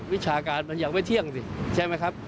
วิชาการมันยังไม่เที่ยงสิใช่ไหมครับ